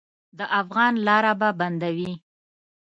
د افغان لاره به بندوي.